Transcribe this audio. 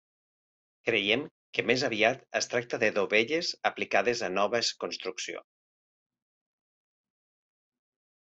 Creiem que més aviat es tracta de dovelles aplicades a noves construcció.